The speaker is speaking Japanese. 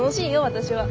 私は。